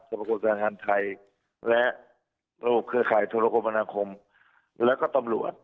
สมัครสมัครภัณฑ์ฐานไทยและโรคเครื่องข่ายธุรกรมวันธรรม